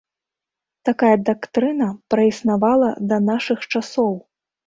Такая дактрына праіснавала да нашых часоў.